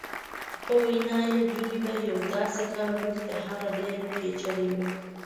په وینا یې دوی به یو داسې کار وکړي چې هغه ډېر پېچلی وي.